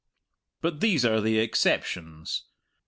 But these are the exceptions.